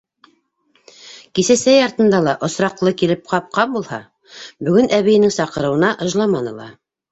Кисә сәй артында ла осраҡлы килеп ҡапҡан булһа, бөгөн әбейенең саҡырыуына ыжламаны ла.